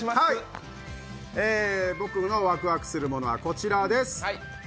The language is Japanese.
僕のワクワクするものはこちらです。